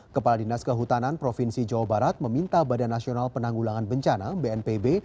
kepala dinas kehutanan provinsi jawa barat meminta badan nasional penanggulangan bencana bnpb